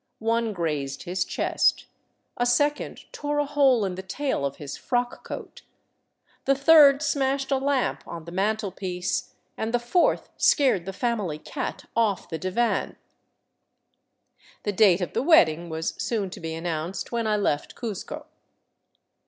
One grazed his chest, a second tore a hole in the tail of his frock coat, the third smashed a lamp on the mantel piece, and the fourth scared the family cat off the divan. The date of the wedding was soon to be announced when I left Cuzco.